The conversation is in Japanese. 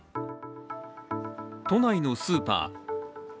都内のスーパー。